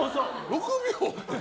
６秒？って。